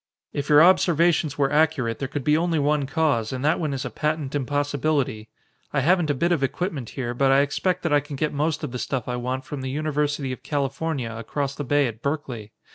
"If your observations were accurate, there could be only one cause and that one is a patent impossibility. I haven't a bit of equipment here, but I expect that I can get most of the stuff I want from the University of California across the bay at Berkeley.